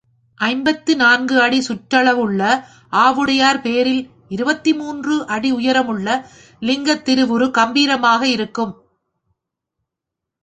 ஐம்பத்து நான்கு அடி சுற்றளவுள்ள ஆவுடையார் பேரில் இருபத்து மூன்று அடி உயரமுள்ள லிங்கத் திருவுரு கம்பீரமாக இருக்கும்.